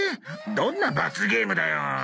どんな罰ゲームだよ。